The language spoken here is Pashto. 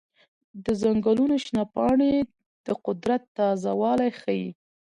د ځنګلونو شنه پاڼې د قدرت تازه والی ښيي.